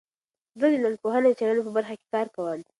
زه د ټولنپوهنې د څیړنې په برخه کې کار کوم.